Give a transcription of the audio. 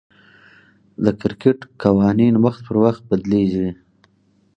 د کرکټ قوانين وخت پر وخت بدليږي.